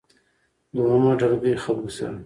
دويمه ډلګۍ خلکو سره